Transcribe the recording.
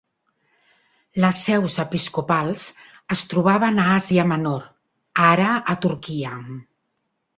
Les seus episcopals es trobaven a Àsia Menor, ara a Turquia.